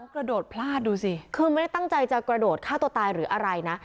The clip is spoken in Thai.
กระโดดพลาดดูสิคือไม่ได้ตั้งใจจะกระโดดฆ่าตัวตายหรืออะไรนะ